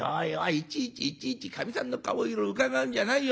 いちいちいちいちかみさんの顔色うかがうんじゃないよ